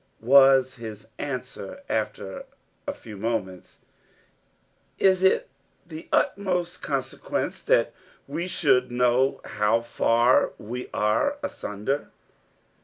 was his answer after a few moments. .......... "It is of the utmost consequence that we should know how far we are asunder."